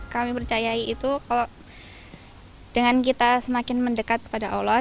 kami percayai itu kalau dengan kita semakin mendekat kepada allah